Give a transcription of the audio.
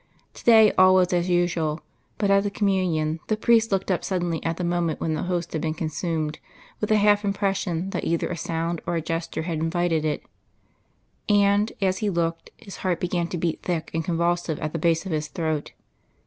To day all was as usual, but at the Communion the priest looked up suddenly at the moment when the Host had been consumed, with a half impression that either a sound or a gesture had invited it; and, as he looked, his heart began to beat thick and convulsive at the base of his throat.